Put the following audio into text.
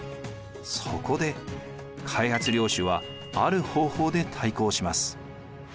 そこで開発領主はある方法で対抗します。